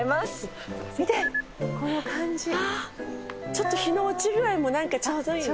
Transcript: ちょっと日の落ち具合もなんかちょうどいいね。